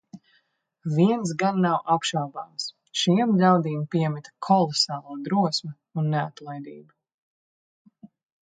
Viens gan nav apšaubāms - šiem ļaudīm piemita kolosāla drosme un neatlaidība.